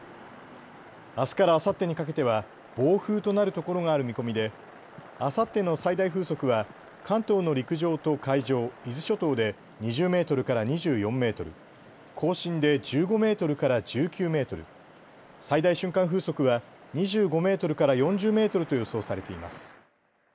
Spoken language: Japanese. あすからあさってにかけては暴風となるところがある見込みであさっての最大風速は関東の陸上と海上、伊豆諸島で２０メートルから２４メートル、甲信で１５メートルから１９メートル、最大瞬間風速は２５メートルから４０メートルと予想されています。